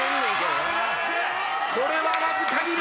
これはわずかに右。